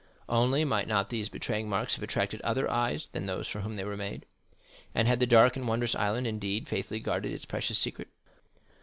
Only, might not these betraying marks have attracted other eyes than those for whom they were made? and had the dark and wondrous island indeed faithfully guarded its precious secret?